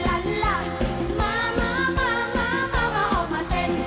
มามามามามามาออกมาเต้น